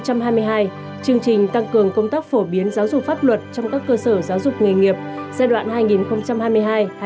chương trình tăng cường công tác phổ biến giáo dục pháp luật trong các cơ sở giáo dục nghề nghiệp